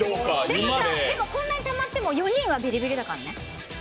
こんなにたまっても４人はビリビリだからね。